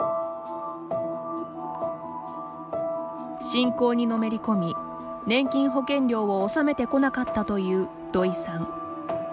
信仰にのめり込み年金保険料を納めてこなかったという土井さん。